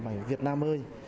bài việt nam ơi